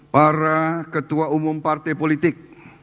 para ketua umum partai politik